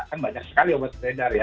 kan banyak sekali obat beredar ya